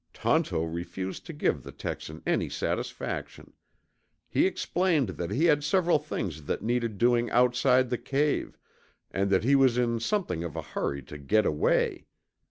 Tonto refused to give the Texan any satisfaction. He explained that he had several things that needed doing outside the cave, and that he was in something of a hurry to get away.